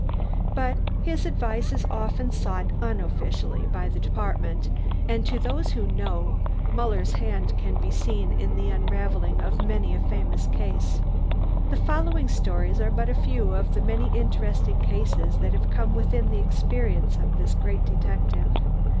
But his advice is often sought unofficially by the Department, and to those who know, Muller's hand can be seen in the unravelling of many a famous case. The following stories are but a few of the many interesting cases that have come within the experience of this great detective.